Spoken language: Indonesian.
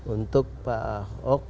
untuk pak ahok